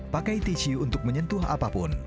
pakai tisu untuk menyentuh apapun